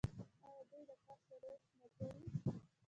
آیا دوی د کار شرایط نه ګوري؟